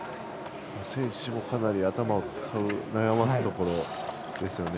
選手もかなり頭を使う悩ませるところですよね。